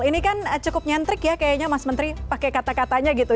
ini kan cukup nyentrik ya kayaknya mas menteri pakai kata katanya gitu